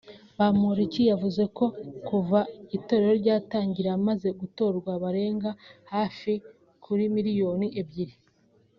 Bamporiki yavuze ko kuva itorero ryatangira abamaze gutozwa bagera hafi kuri miliyoni ebyiri